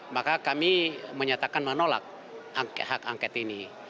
maka kami menyatakan menolak hak angket ini